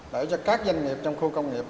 để cho các doanh nghiệp trong khu công nghiệp